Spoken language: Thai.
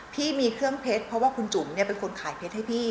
พี่มีเครื่องเพชรเพราะว่าคุณจุ๋มเป็นคนขายเพชรให้พี่